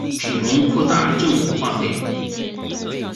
庇隆扩大政府花费。